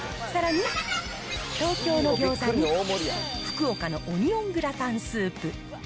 さらに、東京のギョーザに、福岡のオニオングラタンスープ。